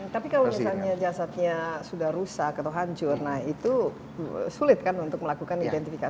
tapi kalau misalnya jasadnya sudah rusak atau hancur nah itu sulit kan untuk melakukan identifikasi